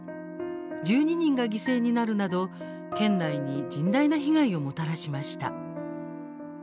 １２人が犠牲になるなど、県内に甚大な被害をもたらしました。